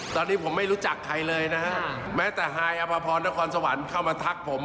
ตอนนี้ผมไม่รู้จักใครเลยนะฮะแม้แต่ฮายอภพรนครสวรรค์เข้ามาทักผม